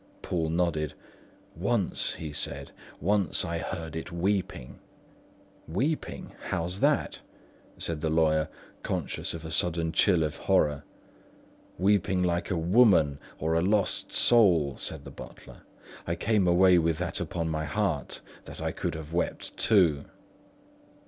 Poole nodded. "Once," he said. "Once I heard it weeping!" "Weeping? how that?" said the lawyer, conscious of a sudden chill of horror. "Weeping like a woman or a lost soul," said the butler. "I came away with that upon my heart, that I could have wept too."